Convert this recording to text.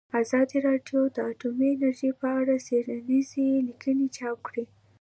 ازادي راډیو د اټومي انرژي په اړه څېړنیزې لیکنې چاپ کړي.